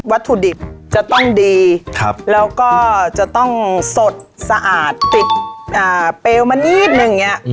วัตถุดิบจะต้องดีแล้วก็จะต้องสดสะอาดติดเปลวมานิดนึงอย่างนี้